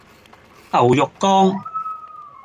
牛肉乾